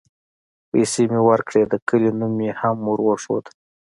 پيسې مې وركړې د كلي نوم مې هم وروښود.